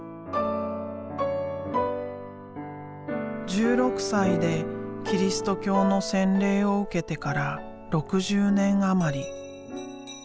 １６歳でキリスト教の洗礼を受けてから６０年余り。